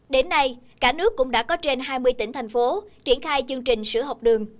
đến nay cả nước cũng đã có trên hai mươi tỉnh thành phố triển khai chương trình sữa học đường